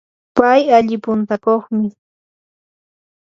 pay alli puntakuqmi.